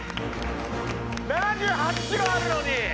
７８キロあるのに。